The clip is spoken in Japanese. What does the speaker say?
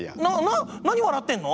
な何笑ってんの？